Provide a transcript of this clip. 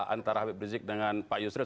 antara habib rizik dengan pak yusril